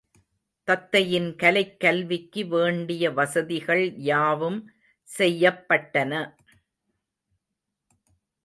தத்தையின் கலைக் கல்விக்கு வேண்டிய வசதிகள் யாவும் செய்யப்பட்டன.